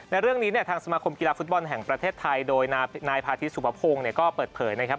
เรื่องนี้เนี่ยทางสมาคมกีฬาฟุตบอลแห่งประเทศไทยโดยนายพาธิสุภพงศ์ก็เปิดเผยนะครับ